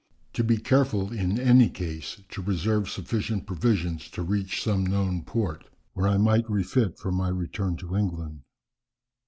To be careful in any case to reserve sufficient provisions to reach some known port, where I might refit for my return to England.